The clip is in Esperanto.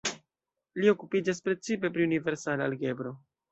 Li okupiĝas precipe pri universala algebro.